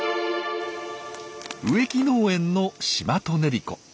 植木農園のシマトネリコ。